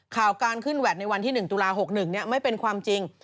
ข่าวการขึ้นแวดในวันที่๑ตุลา๖๑ไม่เป็นความจริง